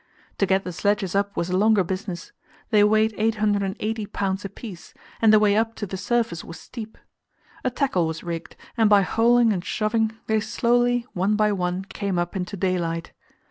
To get the sledges up was a longer business; they weighed 880 pounds apiece, and the way up to the surface was steep. A tackle was rigged, and by hauling and shoving they slowly, one by one, came up into daylight.